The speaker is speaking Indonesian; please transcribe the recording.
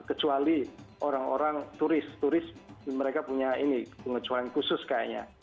kecuali orang orang turis turis mereka punya ini pengecualian khusus kayaknya